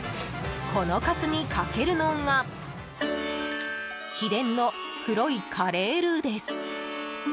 このカツにかけるのが秘伝の黒いカレールーです。